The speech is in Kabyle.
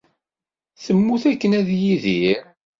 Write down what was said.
Temmut akken ad yidir.